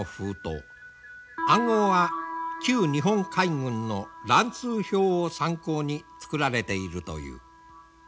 暗号は旧日本海軍の乱数表を参考に作られているという。